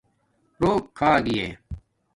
روک کھا گی ݺ